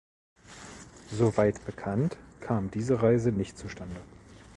Soweit bekannt kam diese Reise nicht zustande.